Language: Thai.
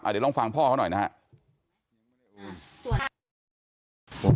เดี๋ยวลองฟังพ่อเขาหน่อยนะครับ